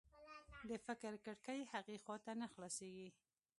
د فکر کړکۍ هغې خوا نه خلاصېږي